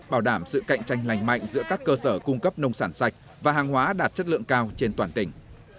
bảo đảm sự cạnh tranh lành mạnh giữa các cơ sở cung cấp nông sản sạch và hàng hóa đạt chất lượng cao trên toàn tỉnh